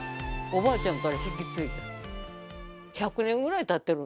おばあちゃんから引き継いだ。